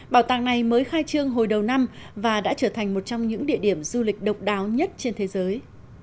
bảo tàng này mới khai trương hồi đầu năm và đã trở thành một trong những địa điểm du lịch độc đáo nhất trên thế giới